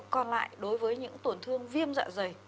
còn lại đối với những tổn thương viêm dạ dày